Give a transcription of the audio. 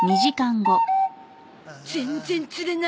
全然釣れない。